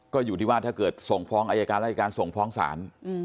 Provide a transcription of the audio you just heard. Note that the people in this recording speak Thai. ก็อยู่ที่ว่าถ้าเกิดส่งฟ้องอายการรายการส่งฟ้องศาล